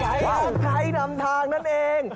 ไกด์นำไกด์นำทางนั่นเอง